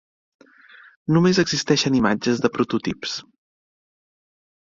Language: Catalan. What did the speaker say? Només existeixen imatges de prototips.